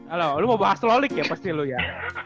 alo lu mau bahas lolik ya pasti lu ya